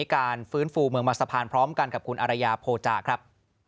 การฟื้นฟูเมืองมาสะพานพร้อมกันกับคุณอารยาโพจาครับ